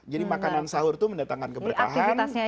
jadi makanan sahur itu mendatangkan keberkahan